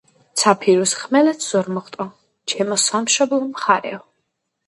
ცა ფირუზ, ხმელეთ-ზურმუხტო, ჩემო სამშობლო მხარეო